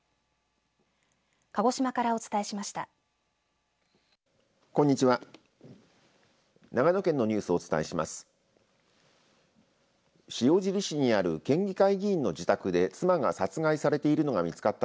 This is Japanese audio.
鹿児島からお伝えしました。